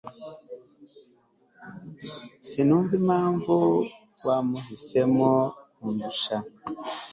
sinumva impamvu wamuhisemo kundusha